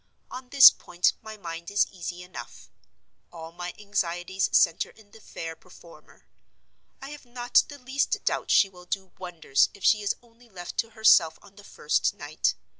On this point my mind is easy enough: all my anxieties center in the fair performer. I have not the least doubt she will do wonders if she is only left to herself on the first night.